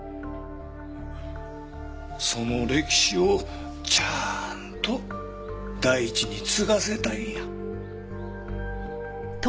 その歴史をちゃんと大地に継がせたいんや。